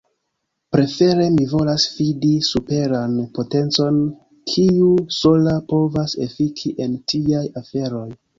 Prefere mi volas fidi superan potencon, kiu sola povas efiki en tiaj aferoj.